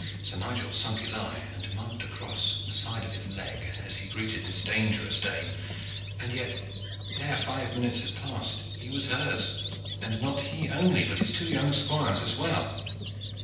Sir Nigel sunk his eye and marked a cross on the side of his leg as he greeted this dangerous dame, and yet ere five minutes had passed he was hers, and not he only but his two young squires as well.